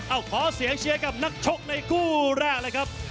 เอาขอเสียงเชียร์กับนักชกในคู่แรกเลยครับ